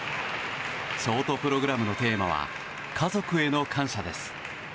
ショートプログラムのテーマは家族への感謝です。